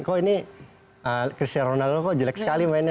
kok ini cristiano ronaldo kok jelek sekali mainnya